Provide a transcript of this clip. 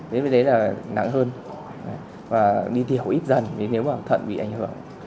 đến với đấy là nắng hơn và đi thiểu ít dần nếu mà thận bị ảnh hưởng